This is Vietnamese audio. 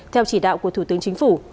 theo chỉ đạo của thủ tướng chính phủ